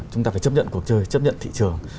chúng ta phải chấp nhận cuộc chơi chấp nhận thị trường